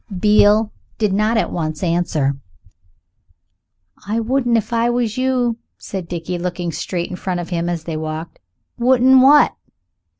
Beale did not at once answer. "I wouldn't if I was you," said Dickie, looking straight in front of him as they walked. "Wouldn't what?"